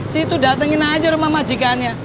situ datengin aja rumah majikannya